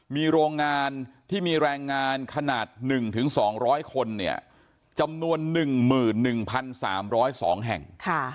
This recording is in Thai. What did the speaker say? มีโรงงานที่มีแรงงานขนาด๑๒๐๐คนจำนวน๑๑๓๐๒แห่ง